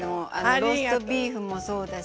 ローストビーフもそうだし。